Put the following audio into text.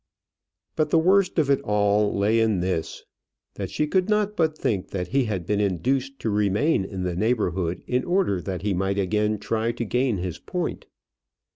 But the worst of it all lay in this, that she could not but think that he had been induced to remain in the neighbourhood in order that he might again try to gain his point.